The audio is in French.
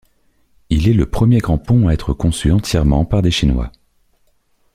Il est le premier grand pont à être conçu entièrement par des chinois.